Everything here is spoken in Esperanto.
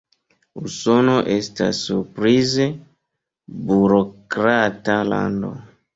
Usono estas surprize burokrata lando.